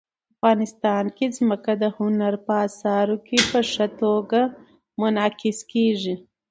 افغانستان کې ځمکه د هنر په اثار کې په ښه توګه منعکس کېږي.